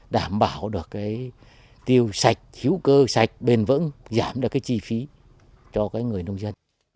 đảm bảo được cái tiêu sạch hữu cơ sạch bền vững giảm được cái chi phí cho cái người nông dân